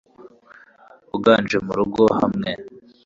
uganje mu rugo hamwe